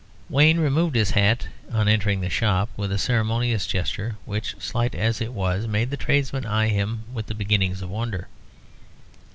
Wayne removed his hat on entering the shop, with a ceremonious gesture, which, slight as it was, made the tradesman eye him with the beginnings of wonder.